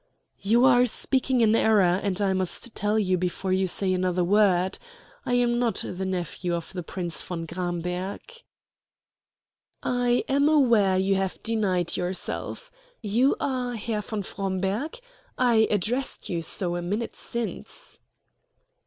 "You are speaking in error, and I must tell you before you say another word. I am not the nephew of the Prince von Gramberg." "I am aware you have denied yourself. You are Herr von Fromberg? I addressed you so a minute since."